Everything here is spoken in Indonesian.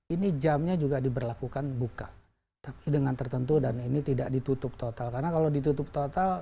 ini jamnya juga diberlakukan buka tapi dengan tertentu dan ini tidak ditutup total karena kalau ditutup total